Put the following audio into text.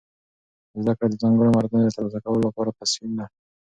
زده کړه د ځانګړو مهارتونو د ترلاسه کولو لپاره تسهیل ده.